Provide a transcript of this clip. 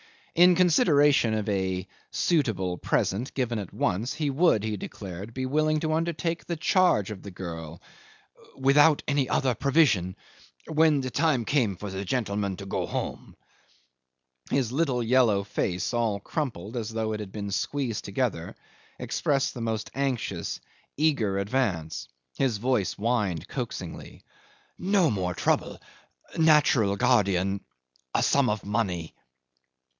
In consideration of a "suitable present" given at once, he would, he declared, be willing to undertake the charge of the girl, "without any other provision when the time came for the gentleman to go home." His little yellow face, all crumpled as though it had been squeezed together, expressed the most anxious, eager avarice. His voice whined coaxingly, "No more trouble natural guardian a sum of money ..